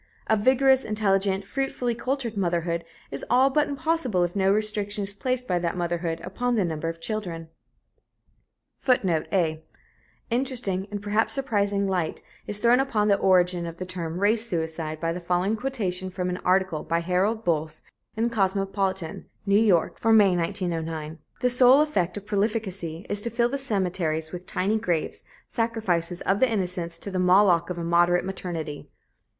A vigorous, intelligent, fruitfully cultured motherhood is all but impossible if no restriction is placed by that motherhood upon the number of children. [Footnote A: Interesting and perhaps surprising light is thrown upon the origin of the term "race suicide" by the following quotation from an article by Harold Bolce in the Cosmopolitan (New York) for May, 1909: "'The sole effect of prolificacy is to fill the cemeteries with tiny graves, sacrifices of the innocents to the Moloch of immoderate maternity.'